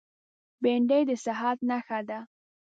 بېنډۍ د صحت نښه ده